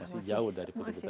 masih jauh dari produktivitasnya